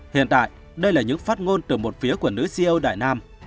hiện tại đây là những phát ngôn từ một phía của nữ ceo đại nam